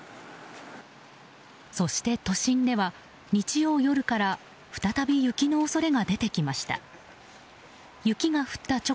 そして都心では日曜夜から再び雪の恐れが出てきました。